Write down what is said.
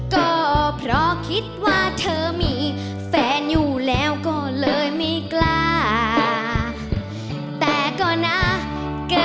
ก็แล้วแต่เธอ